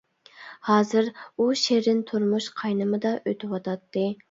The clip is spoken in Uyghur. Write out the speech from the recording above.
ھازىر ئۇ شېرىن تۇرمۇش قاينىمىدا ئۆتۈۋاتاتتى.